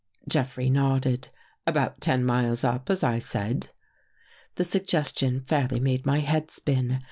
Jeffrey nodded. " About ten miles up, as I said." The suggestion fairly made my head spin.